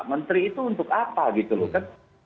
menteri itu untuk apa gitu loh kan